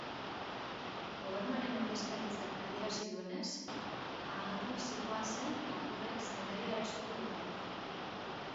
Gobernuaren Ordezkaritzak adierazi duenez, armaturik zihoazen lapurrek zaindaria erasotu dute.